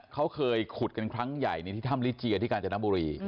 เขาเคยขุดกันครั้งใหญ่ที่ถ้ำลิเจียที่กาญจนบุรี